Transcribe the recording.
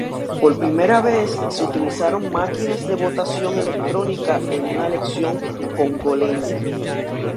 Por primera vez, se utilizaron máquinas de votación electrónica en una elección congoleña.